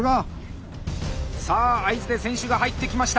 さあ合図で選手が入ってきました。